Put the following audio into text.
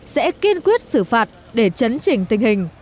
sẽ kiên quyết xử phạt để chấn chỉnh tình hình